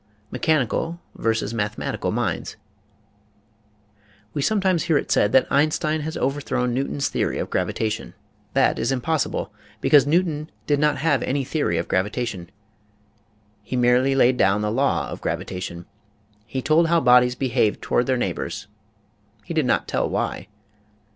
MECHANICAL VERSUS MATHEMATICAL MINDS We sometimes hear it said that Einstein has over thrown Newton's theory of gravitation." That is im *Ninte€nth Century, December, 1919. 88 EASY LESSONS IN EINSTEIN possible because Newton did not have any theory of gravitation. He merely laicl down the law of gravita tion. He told how bodies behaved toward their neigh bors; he did not tell why.